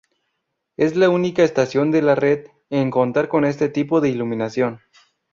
Es la única estación de la red en contar con este tipo de iluminación.